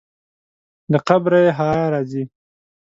له قبره یې حیا راځي.